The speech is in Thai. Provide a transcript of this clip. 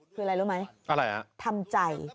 คืออะไรรู้ไหมทำใจ